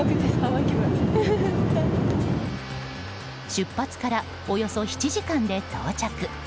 出発からおよそ７時間で到着。